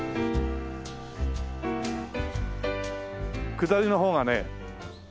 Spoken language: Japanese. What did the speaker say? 下りの方がね。